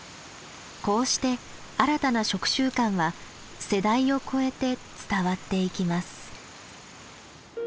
こうして新たな食習慣は世代をこえて伝わっていきます。